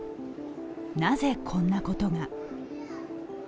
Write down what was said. なぜ、こんなことが。